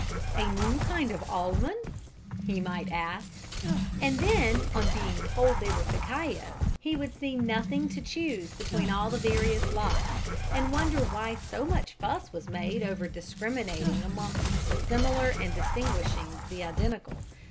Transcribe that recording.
"A new kind of almond?" he might ask. And then, on being told they were cacao, he would see nothing to choose between all the various lots and wonder why so much fuss was made over discriminating amongst the similar and distinguishing the identical.